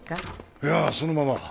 いやぁそのまま。